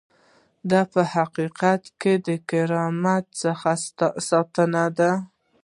دا په حقیقت کې د کرامت څخه ساتنه ده.